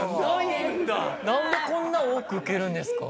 なんでこんな多く受けるんですか？